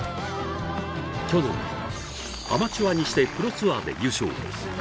去年、アマチュアにしてプロツアーで優勝。